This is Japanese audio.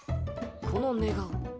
この寝顔